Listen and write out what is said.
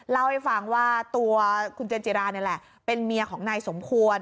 เล่าให้ฟังว่าตัวคุณเจนจิรานี่แหละเป็นเมียของนายสมควร